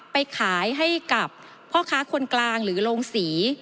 ไปขายให้กับพ่อค้าคนกลางหรือโรงศรี